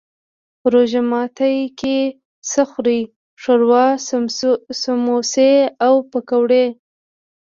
روژه ماتی کی څه خورئ؟ شوروا، سموسي او پکوړي